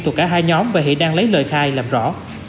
thuộc cả hai nhóm và hiện đang lấy lời khai làm rõ